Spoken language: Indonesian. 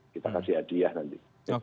kita kasih hadiah nanti